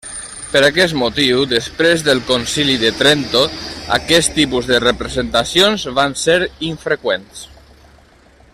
Per aquest motiu, després del Concili de Trento, aquest tipus de representacions van ser infreqüents.